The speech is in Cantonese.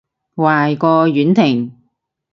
壞過婉婷